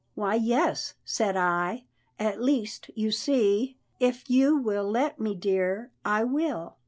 "Why, yes," said I, "at least you see If you will let me, dear, I will."